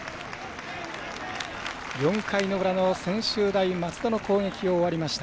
４回の裏の専修大松戸の攻撃終わりました。